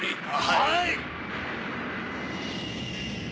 はい！